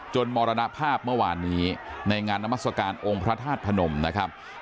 มรณภาพเมื่อวานนี้ในงานนามัศกาลองค์พระธาตุพนมนะครับ